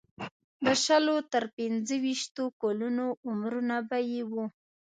د شلو تر پنځه ویشتو کلونو عمرونه به یې وو.